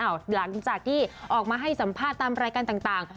หลังจากที่ออกมาให้สัมภาษณ์ตามรายการต่าง